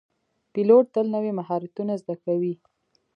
پیلوټ تل نوي مهارتونه زده کوي.